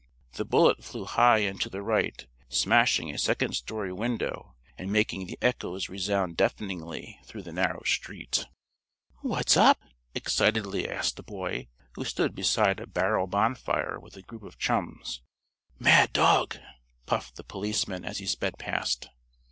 The bullet flew high and to the right, smashing a second story window and making the echoes resound deafeningly through the narrow street. "What's up?" excitedly asked a boy, who stood beside a barrel bonfire with a group of chums. "Mad dog!" puffed the policeman as he sped past.